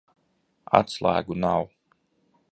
Atslēgu nav.